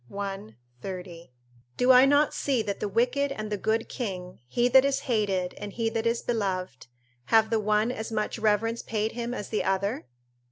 i, 30.] Do I not see that the wicked and the good king, he that is hated and he that is beloved, have the one as much reverence paid him as the other?